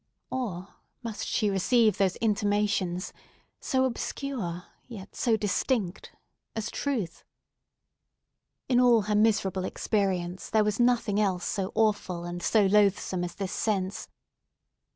Or, must she receive those intimations—so obscure, yet so distinct—as truth? In all her miserable experience, there was nothing else so awful and so loathsome as this sense.